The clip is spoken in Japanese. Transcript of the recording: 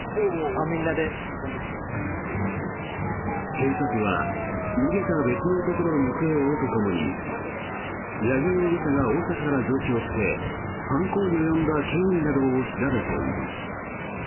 警察は、逃げた別の男の行方を追うとともに八木容疑者が大阪から上京して犯行に及んだ経緯などを調べている。